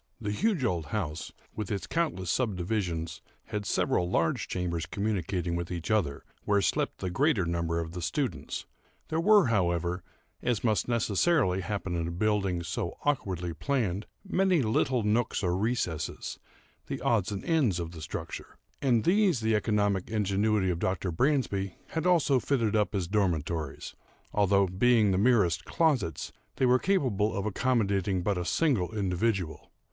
The huge old house, with its countless subdivisions, had several large chambers communicating with each other, where slept the greater number of the students. There were, however, (as must necessarily happen in a building so awkwardly planned,) many little nooks or recesses, the odds and ends of the structure; and these the economic ingenuity of Dr. Bransby had also fitted up as dormitories; although, being the merest closets, they were capable of accommodating but a single individual.